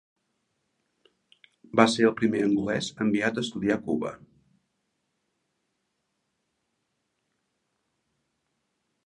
Va ser el primer angolès enviat a estudiar a Cuba.